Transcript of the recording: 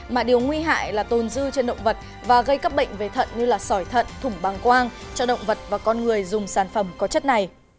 mà điều nguy hại là tồn dư trên động vật và gây các bệnh về thận như sỏi thận thủng bằng quang cho động vật và con người dùng sản phẩm có chất này